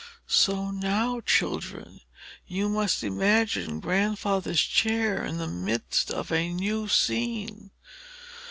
So now, children, you must imagine Grandfather's chair in the midst of a new scene.